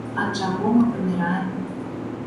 Ад чаго мы паміраем?